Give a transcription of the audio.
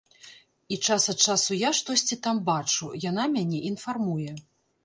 І час ад часу я штосьці там бачу, яна мяне інфармуе.